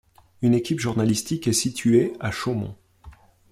Une équipe journalistique est située à Chaumont.